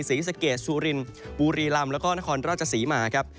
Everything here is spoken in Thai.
ศรีสะเกดสุรินบุรีลำแล้วก็นครราชศรีมาครับ